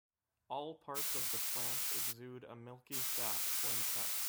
All parts of the plant exude a milky sap when cut.